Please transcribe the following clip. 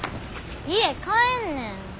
家帰んねん。